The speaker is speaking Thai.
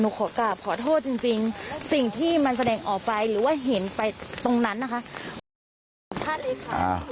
หนูขอกราบขอโทษจริงจริงสิ่งที่มันแสดงออกไปหรือว่าเห็นไปตรงนั้นนะคะ